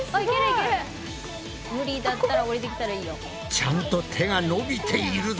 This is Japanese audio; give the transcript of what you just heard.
ちゃんと手が伸びているぞ。